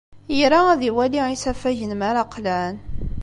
Ira ad iwali isafagen mi ara qelɛen.